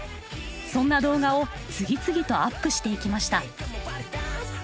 そんな動画を次々とアップしていきました。